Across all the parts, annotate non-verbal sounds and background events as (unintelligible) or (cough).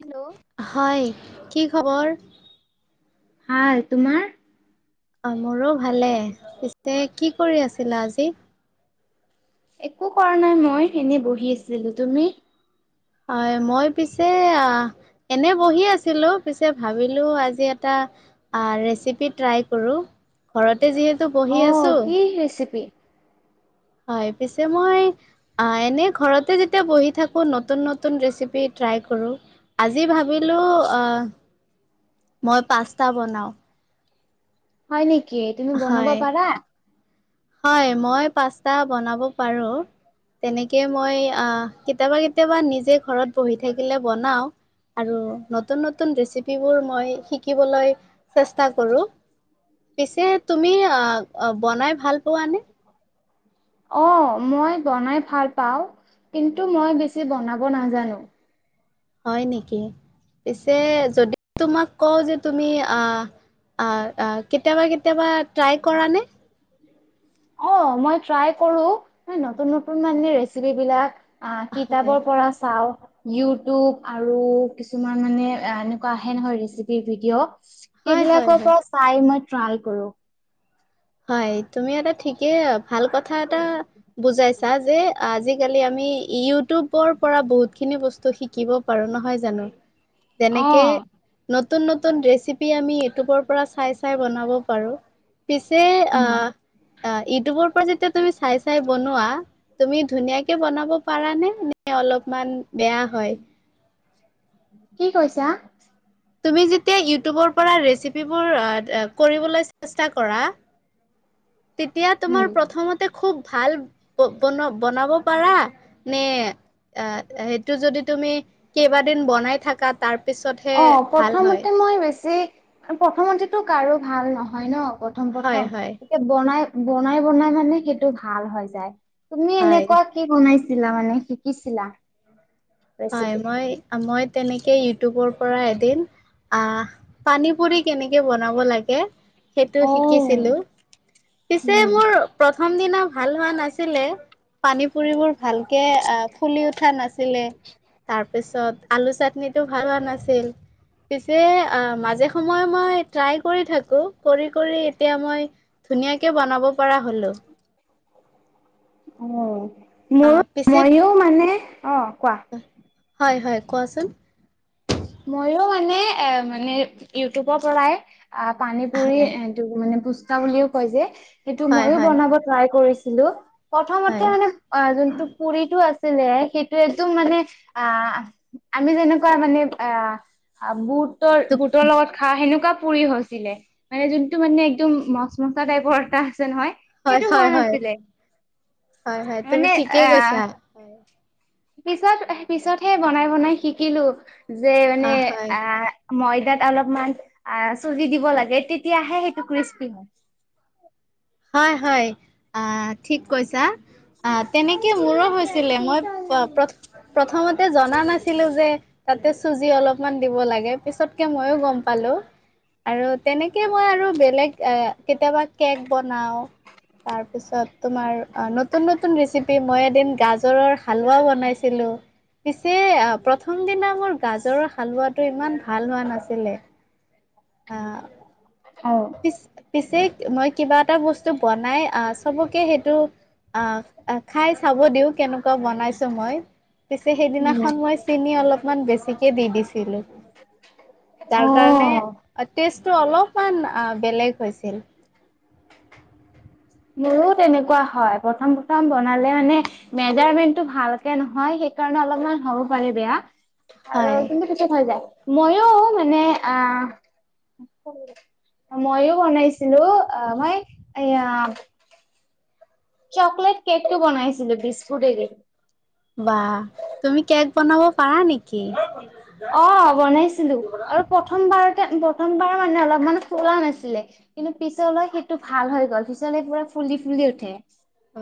Hello হয় কি খবৰ? হয় তোমাৰ। অ মোৰো ভালে পিছে কি কৰি আছিলা আজি। একো কৰা নাই মই এনেই বহি আছিলো তুমি? হয় মই পিছে অ এনে বহি আছিলো পিছে ভাবিলো আজি এটা ৰেচিপি ট্ৰাই কৰো ঘৰতে যিহেতু অ বহি আছো। কি ৰেচিপি হয় পিছে মই এনে ঘৰতে যেতিয়া বহি থাকো নতুন নতুন ৰেচিপিত- ট্ৰাই কৰোঁ আজি ভাবিলোঁ আ মই পাস্তা বনাও। হয় নেকি তুমি বনাব হয়। পাৰা। হয় মই পাস্তা বনাব পাৰো। তেনেকে মই আহ কেতিয়াবা কেতিয়াবা নিজে ঘৰত বহি থাকিলে বনাও আৰু নতুন নতুন ৰেচিপিবোৰ মই শিকিবলৈ চেষ্টা কৰো। (inaudible) তুমি অ অ বনাই ভাল পোৱানে? অ মই বনাই ভাল পাওঁ। কিন্তু মই বেছি বনাব নাজানো। হয় নেকি পিছে যদি তোমাক কওঁ যে তুমি আহ আহ আ কেতিয়াবা কেতিয়াবা ট্ৰই কৰা নে? অ মই ট্ৰাই কৰো নতুন নতুন মানে ৰেচিপ বিলাক। আহ হয় কিতাপৰ পৰা চাওঁ। ইউটিউব আৰু কিছুমান মানে এনেকুৱা আহে নহয় ৰেচিপি ভিডিঅ' হয় হয় সেইবিলাকৰ হয়। পৰা চাই মই ট্ৰাই কৰো। হয় তুমি এটা ঠিকে ভাল কথা এটা বুজাইছা যে আজি আজি কালি আমি ইউটিউবৰ পৰা বহুত খিনি বস্তু শিকিব পাৰো নহয় জানো? অ যেনেকেত নত নতুন নতুন ৰেচিপি আমি ইউটিউবৰ পৰা চাই চাই বনাব পাৰো পিছ যে আহ আ ইউটিউবৰ পৰা যে তুমি চাই চাই বনোৱা তুমি ধুনিয়া কে বনাব পাৰা নে নে অলপমান বেয়া হয়। কি কৈছা? তুমি যেতিয়া ইউটিউবৰ পৰা ৰেচিপিবোৰ কৰিবলৈ চেষ্টা কৰা তেতিয়া তোমাৰ উম প্ৰথমতে খুব ভাল বন বনাব পাৰা নে? আহ সেইটো যদি তুমি কেইবাদিন বনাই থাকা তাৰ পিছতহে অ ভাল হয়। প্ৰথমতে মই বেছি প্ৰথমমেতো কাৰো ভাল নহয় ন। প্ৰথম হয় প্ৰথম হয় এতিয়া বনাই বনাই বনাই মানে সেইটো ভাল হৈ যায়। তুমি হয় এনেকুৱা কি বনাইছিলা মানে শিকিছিলা? হয় ৰেচিপি মই মই তেনেকে ইউটিউবৰ পৰা এদিন। আহ পানী পুৰি কেনেকে বনাব লাগে। সেইটো অ শিকিছিলো। পিছে উম মোৰ প্ৰথম দিনা ভাল হোৱা নাছিলে। পানী পুৰিবোৰ ভালকে আহ ফুলি উঠা নাছিলে। তাৰপিছত আলু চাটনিটো ভাল হোৱা নাছিল। পিছে আহ মাজে সময়ে মই ট্ৰাই কৰি থাকো। কৰি কৰি এতিয়া মই ধুনীয়াকে বনাব পৰা হ'লোঁ। অ মোৰ আহ পিছে মইও মানে অ কোৱা হয় হয় কোৱাচোন। মইও মানে এ মানে ইউটিউবৰ পৰাই আহ পানী পুৰি হয় এইটো মানে পুস্কা বুলিও কয় যে সেইটো হয় মইও হয় বনাব ট্ৰাই কৰিছো চিলো হয় প্ৰথমতে মানে অ জোনটো পৰিটো আছিলে হেই সেএইটো মানে হয় আ আমি যেনেকুৱা মানে আ বুত বুৰ বুটৰ লগত খা সেনেকুৱা। পুৰি হৈছিলে মানে যোনটো মানে একদম মচ মচা টাইপৰ এটা। যে হয় সেইটো হোৱা হয় হয় নাছিলে হয় হয় তুমি মানে ঠিকেই আহ। কৈছা হয় পিছত পিছতহে বনাই বনাই শিকিলো। যে মানে অ হয় আ হয় ময়দাত অলপমান আ চোজি দিব লাগে তেতিয়াহে সেইটো কৃস্পি হয়। হয় হয় আ ঠিক কৈছা। আ তেনেকে মোৰো হৈছিলে মই প্ৰ প্ৰথম। প্ৰথমতে জনা নাছিলো যে তাতে চুজি অলপমান দিব লাগে পিছতকে মইয়ো গম পালো। আৰু তেনেকে মই আৰু বেলেগ এ কেতেবা কেক বনাও তাৰপিছত তোমাৰ নতুন নতুন ৰেচিপি মই এদিন গাজৰৰ যে প্ৰথম দিনা মোৰ গাজৰৰ হালোৱাটো ইমান ভাল হোৱা নাছিলে। আ অ পিছ পিছে- মই কিবা এটা বস্তু বনাই চবকে সেইটো খাই চাব দিওঁ। কেনেকুৱা বনাইছো মই। পিছে উম সেইদিনাখন মই চিনি অলপমান বেছিকে দি দিছিলো। অ তাৰ কাৰণে টেষ্টটো অলপমান বেলেগ হৈছিল। মোৰো তেনেকুৱা হয় প্ৰথম প্ৰথম বনালে মানে মেজাৰমেন্টটো ভালকে নহয়। সেইকাৰণে অলপমান হ'ব পাৰে বেয়া আৰু হয় কিন্তু পিছত হৈ যায়। ময়ো মানে আ- ময়ো বনাইছিলো অ মই এয়া- চকলেট কেকটো বনাইছিলো বিস্কুটে দি। বা তুমি কেক বনাব পাৰা নেকি? অ বনাইছিলো আৰু প্ৰথমবাৰ- প্ৰথমবাৰ মানে অলপ মান ফুলা নাছিলে কিন্তু পিছলৈ সেইটো ভাল হৈ গ'ল পিছলে পুৰা- ফুলি ফুলি উঠে।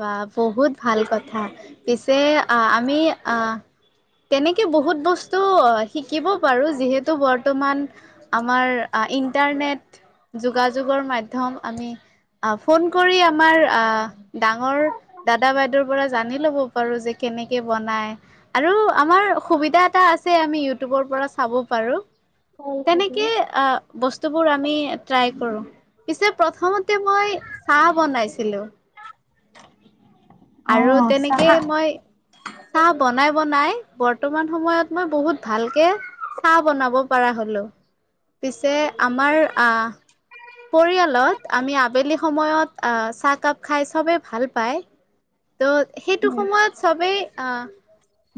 বা বহুত ভাল কথা পিছে আহ আমি আহ- তেনেকে বহুত বস্তু শিকিব পাৰো যিহেতু বৰ্তমান- আমাৰ ইণ্টাৰনেট যোগাযোগৰ মাধ্যম আমি- আহ ফোন কৰি আমাৰ আহ- ডাঙৰ দাদা বাইদেউৰ পৰা জানি ল'ব পাৰো যে কেনেকে বনাই আৰু আমাৰ- সুবিধা এটা আছে আমি ইউটিউবৰ পৰা চাব পাৰো। হয় চাগে তেনেকে আঁহ বস্তু- বোৰ আমি ট্ৰাই কৰো। পিছে প্ৰথমতে মই চাহ বনাইছিলো। অ আৰু তেনেকে চাহ মই চাহ বনাই বনাই- বৰ্তমান সময়ত মই বহুত ভালকে চাহ বনাব পৰা হলো। পিছে আমাৰ পৰিয়ালত আমি আবেলি সময়ত- আহ চাহকাপ খাই চবে ভাল পায়। ত' সেইটো সময়ত চবেই আহ-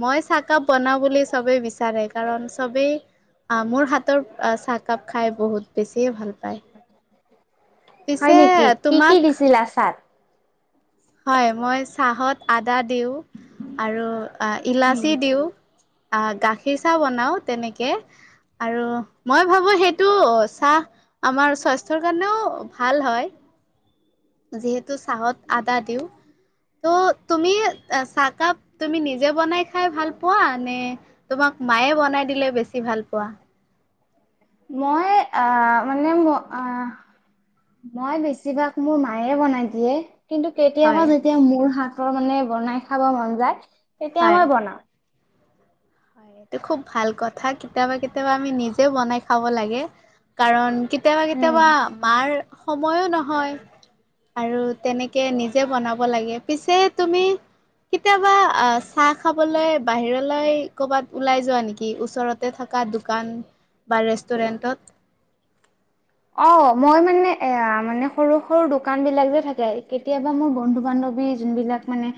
মই চাহকাপ বনাওঁ বুলি চবেই বিচাৰে কাৰণ চবেই- আহ মোৰ হাতৰ চাহকাপ খাই বহুত বেছিয়ে ভাল পায়। হয় পিছে নেকি কি কি তোমাক দিছিলা চাহত? হয় মই চাহত আদা দিওঁ আৰু উম ইলাচি দিওঁ। আঁহ গাখীৰ চাহ বনাওঁ তেনেকে। আৰু মই ভাবো সেইটো চাহ আমাৰ স্বাস্থ্যৰ কাৰণেও ভাল হয়। যিহেতু চাহত আদা দিওঁ। ত' তুমি চাহকাপ তুমি নিজে বনাই খাই ভাল পোৱা নে তোমাক- মায়ে বনাই দিলে বেছি ভাল পোৱা। মই আহ মানে ম আহ- মই বেছিভাগ মোৰ মায়ে বনাই দিয়ে। কিন্তু কেতিয়াবা হয় যেতিয়া মোৰ হাতৰ মানে বনাই খাব মন যায় তেতিয়া হয় মই বনাওঁ। হয় এইটো খুব ভাল কথা কেতিয়াবা কেতিয়াবা আমি নিজে বনাই খাব লাগে। কাৰণ কেতিয়াবা উম কেতিয়াবা মাৰ সময়ো নহয়। আৰু তেনেকে নিজে বনাব লাগে পিছে তুমি- কেতিয়াবা আহ চাহ খাবলৈ বাহিৰলৈ- ক'ৰবাত ওলাই যোৱা নেকি। ওচৰতে থকা দোকান বা ৰেষ্টুৰেণ্টত। (unintelligible) অঁ মই মানে এ মানে সৰু সৰু দোকান বিলাক যে থাকে কেতিয়াবা মোৰ বন্ধু বান্ধৱী- বিলাক মানে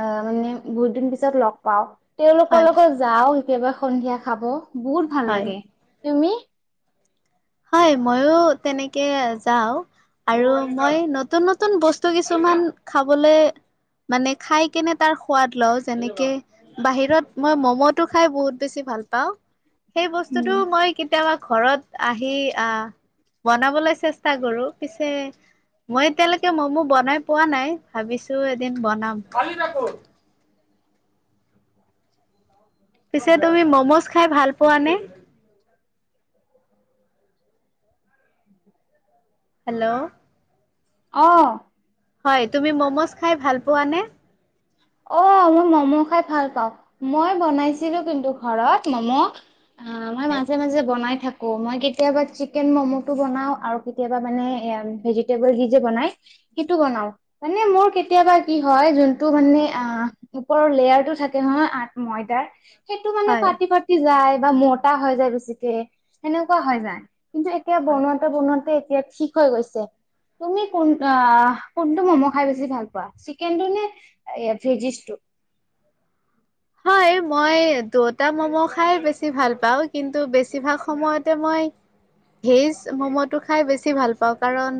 অঁ মানে বহুত দিন পিছত লগ পাওঁ- তেওঁলোকৰ হয় লগত যাওঁ কেতিয়াবা সন্ধিয়া খাব বহুত ভাল হয় লাগে। তুমি? হয় মইো তেনেকে যাওঁ। আৰু মই নতুন নতুন বস্তু কিছুমান খাবলৈ- মানে খাই কেনে তাৰ সোৱাদ লওঁ যেনেকে বাহিৰত মই ম'ম'টো খাই বহুত বেছি। ভাল পাওঁ সেই বস্তুটো উম। মই কেতিয়াবা ঘৰত আহি আহ বনাবলৈ চেষ্টা কৰো পিছে মই এতিয়ালৈকে ম'ম' বনাই পোৱা নাই ভাবিছো এদিন বনাম। পিছে তুমি ম'ম'জ খাই ভাল পোৱা নে? হেল্ল' আহঁ হয় তুমি মম'জ খাই ভাল পোৱানে? অঁ মই মম' খাই ভাল পাওঁ মই বনাইছিলো কিন্তু ঘৰত মম' অঁ মই মাজে মাজে বনাই থ থাকোঁ মই কেতিয়াবা চিকেন ম'ম'টো বনাওঁ আৰু কেতিয়াবা মানে ভেজিটেবল যি যে বনায়। সেইটো বনাওঁ মানে মোৰ কেতিয়াবা কি হয় যোনটো মানে অঁ ওপৰৰ লেয়াৰ টো থাকে নহ আ ময়দাৰ সেইটো মানে হয় ফাটি ফাটি যায়। বা মতা হৈ যায় বেছিকে সেনেকুৱা হৈ যায় কিন্তু এতিয়া হয়। বনোৱাতে বনোৱাতে এতিয়া ঠিক হৈ গৈছে। তুমি কোন কোনটো মম' খাই বেছি ভাল পোৱা চিকেনটো নে সৃজিষ্ট টো হয় মই দুটা মম' খাই বেছি ভাল পাওঁ কিন্তু বেছিভাগ সময়তে মই ভেজ মম'টো খাই বেছি ভাল পাওঁ কাৰণ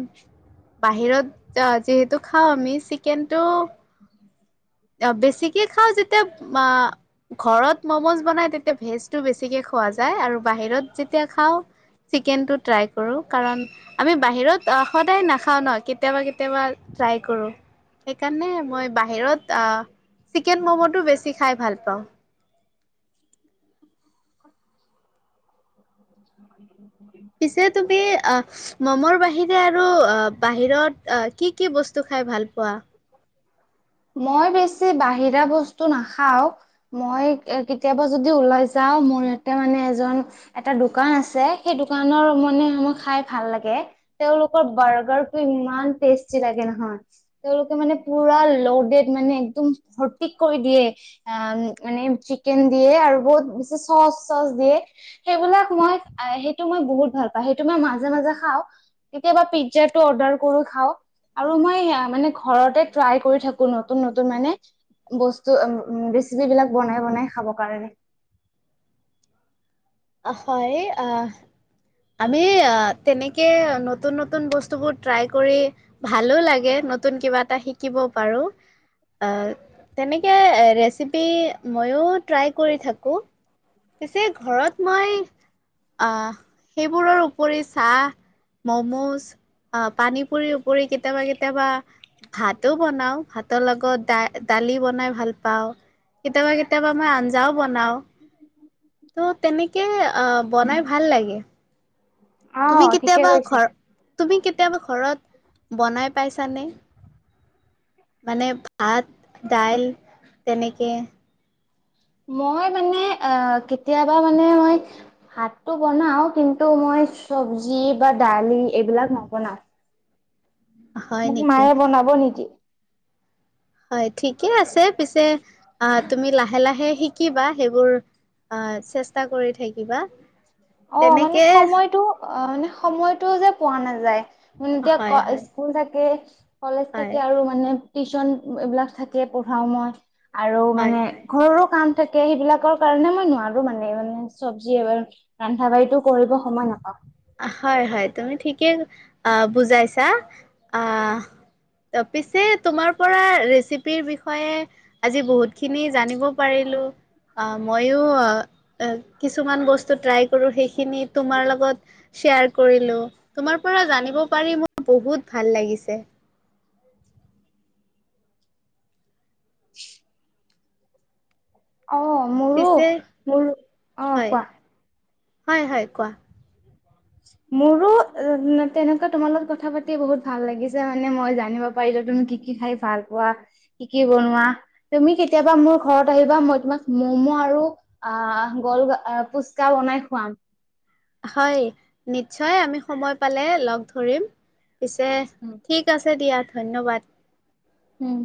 বাহিৰত যিহেতু খাওঁ আমি চিকেনটো অঁ বেছিকে খাওঁ যেতিয়া বা ঘৰত মমজ বনাই তেতিয়া ভেজটো বেছিকে খোৱা যায় আৰু বাহিৰত যেতিয়া খাওঁ। চিকেনটো ট্ৰাই কৰো কাৰণ আমি বাহিৰত সদায় নাখাওঁ ন কেতিয়াবা কেতিয়াবা, ট্ৰাই কৰোঁ সেইকাৰণে মই বাহিৰত চিকেন ম'ম'টো বেছি খাই ভাল পাওঁ। (inaudible) উম পিছে তুমি অঁ মমৰ বাহিৰে আৰু অঁ বাহিৰত অঁ কি কি বস্তু? খাই ভাল পোৱা মই বেছি বাহিৰা বস্তু নাখাওঁ মই কেতিয়াবা যদি ওলাই যা। আৰু মোৰ ইয়াতে মানে এজন এটা দোকান আছে সেই দোকানৰ মানে মই খাই ভাল লাগে। তেওলোক বাৰ্গাৰ টো ইমান টেষ্টি লাগে নহয় তেওঁলোকে মানে পুৰা লৌ বেদ মানে একদম সঠিক কৰি দিয়ে মানে চিকেন দিয়ে আৰু বহুত ডিচেচ্ চচ চচ দিয়ে সেইবিলাক মই সেইটো মই বহুত ভাল পাও সেইটো মই মাজে মাজে খাওঁ কেতিয়াবা পিজ্জাটো অৰ্ডাৰ কৰি খাও আৰু মই মানে ঘৰতে ট্ৰাই কৰি থাকো ত নতুন নতুন মানে? বস্তু এম ৰেচিপি বিলাক বনাই বনাই খাব কাৰণে হয় অহ। আমি তেনেকে নতুন নতুন বস্তুবোৰ ট্ৰাই কৰি ভালো লাগে। নতুন কিবা এটা শিকিব পাৰো। হয় তেনেকে ৰেচিপি ময়ো ট্ৰাই কৰি থাকোঁ। পিছে ঘৰত মই আহ সেইবোৰৰ উপৰি চাহ মম'জ আহ পানী পুৰি উপৰি কেতিয়াবা কেতিয়াবা ভাতো বনাও ভাতৰ লগত দা দালি বনাই ভাল পাওঁ। কেতিয়াবা কেতিয়াবা মই আঞ্জাও বনাও। ত' তেনেকে আহ বনাই ভাল লাগে। তুমি অ ঠিকে কেতিয়াবা কৈছা ঘৰ তুমি কেতিয়াবা ঘৰত বনাই পাইছানে মানে ভাত দাইল তেনেকে মই মানে অ কেতিয়াবা মানে মই ভাতটো বনাও কিন্তু মই চব্জি বা দালি এইবিলাক নবনাও হয় মোক নেকি মায়ে বনাব নিদিয়ে। হয় ঠিকে আছে পিছে আ তুমি লাহে লাহে শিকিবা সেইবোৰ। আহ চেষ্টা কৰি থাকিবা। অ মানে তেনেকে সময়টো অ মানে সময়টো যে পোৱা নাযায়। উম কিয় হয় কোৱা হয় স্কুল থাকে কলেজ হয় থাকে আৰু মানে। টিউচন এইবিলাক থাকে পঢ়াও মই আৰু হয় মানে হয় ঘৰৰো কাম। থাকে সেইবিলাকৰ কাৰণে মই নোৱাৰো মানে মানে চব্জি এবাৰ। ৰন্ধা বাঢ়িটো কৰিব সময় নাপাওঁ। হয় হয় তুমি ঠিকেই আ বুজাইছা আহ। ত পিছে তোমাৰ পৰা ৰেচিপিৰ বিষয়ে আজি বহুত খিনি জানিব পাৰিলো। লো। অ মইয়ো কিছুমান বস্তু ট্ৰাই কৰো সেইখিনি তোমাৰ লগত। শ্বেয়াৰ কৰিলো তোমাৰ পৰা জানিব পাৰি মোৰ বহুত ভাল লাগিছে। অ মোৰো পিছে মোৰ অ হয় কোৱা। হয় হয় কোৱা। মোৰো তেনেকুৱা তোমাৰ লগত কথা পাতি বহুত ভাল লাগিছে মানে মই জানিব পাৰিলো। তুমি কি কি খাই ভাল পোৱা কি কি বনোৱা তুমি কেতিয়াবা মোৰ ঘৰত আহিবা মই তোমাক ম মম' আৰু আ গল পুচকা বনাই খুৱাম। হয় নিশ্চয় আমি সময় পালে লগ ধৰিম। পিছে ঠিক আছে দিয়া ধন্যবাদ। উম।